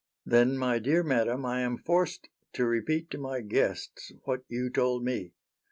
"Then, my dear madam, I am forced to repeat to my guests what you told me.